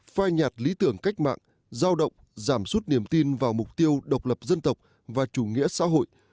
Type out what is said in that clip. phai nhạt lý tưởng cách mạng giao động giảm sút niềm tin vào mục tiêu độc lập dân tộc và chủ nghĩa xã hội